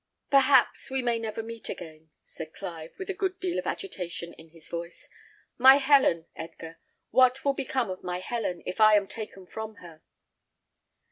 "Perhaps we may never meet again," said Clive, with a good deal of agitation in his voice. "My Helen, Edgar! What will become of my Helen, if I am taken from her?"